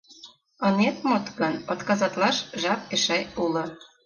Ынет мод гын, отказатлалташ жап эше уло.